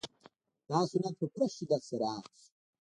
دا صنعت په پوره شدت سره عام شو